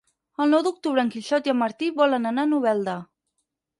El nou d'octubre en Quixot i en Martí volen anar a Novelda.